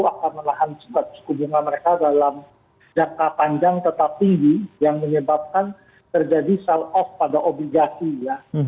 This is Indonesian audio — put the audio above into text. akan menahan suku bunga mereka dalam jangka panjang tetap tinggi yang menyebabkan terjadi sell off pada obligasi ya